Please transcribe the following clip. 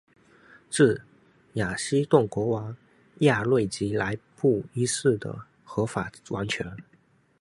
自雅西顿国王亚瑞吉来布一世的合法王权。